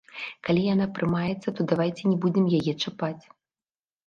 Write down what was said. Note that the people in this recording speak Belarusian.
Калі яна прымаецца, то давайце не будзем яе чапаць.